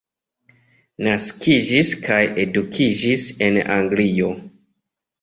Naskiĝis kaj edukiĝis en Anglio.